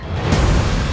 saya mau pake arial